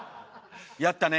やったね。